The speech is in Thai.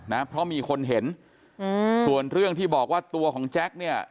ก็มีคนเห็นส่วนเรื่องที่บอกว่าตัวของแจ็คเนี่ย